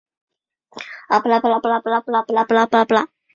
此版本通过提供无分享架构而允许软件更强的可伸缩性。